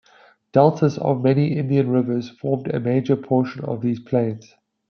Deltas of many of India's rivers form a major portion of these plains.